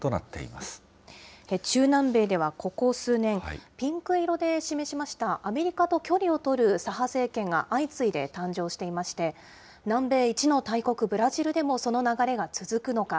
中南米ではここ数年、ピンク色で示しました、アメリカと距離を取る左派政権が相次いで誕生していまして、南米一の大国、ブラジルでもその流れが続くのか。